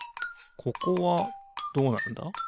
ここはどうなるんだ？